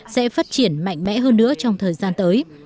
sẽ phát triển mạnh mẽ hơn nữa trong thời gian tới